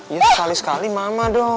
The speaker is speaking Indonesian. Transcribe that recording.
ya sekali sekali mama dong